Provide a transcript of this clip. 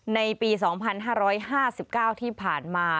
ในปี๒๕๕๙ที่ผ่านมา